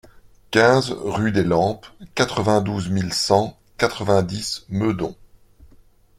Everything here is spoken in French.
quinze rue des Lampes, quatre-vingt-douze mille cent quatre-vingt-dix Meudon